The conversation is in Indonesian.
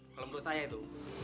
kalau menurut saya itu